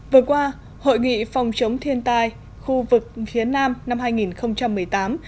vừa qua hội nghị phòng chống thiên tai khu vực phía nam năm hai nghìn một mươi tám